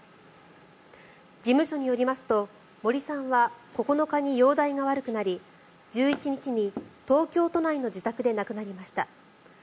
事務所によりますと森さんは９日に容体が悪くなり１１日に東京都内の自宅で亡くなりました。